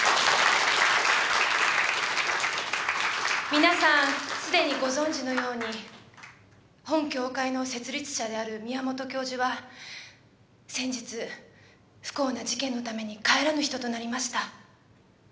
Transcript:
皆さんすでにご存じのように本協会の設立者である宮本教授は先日不幸な事件のために帰らぬ人となりました。